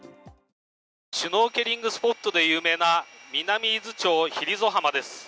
シュノーケリングスポットで有名な南伊豆町、ヒリゾ浜です。